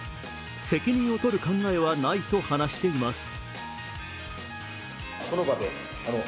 責任を取る考えはないと話しています。